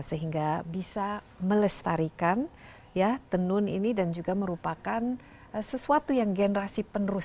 sehingga bisa melestarikan tenun ini dan juga merupakan sesuatu yang generasi penerusnya juga bisa mereka teruskan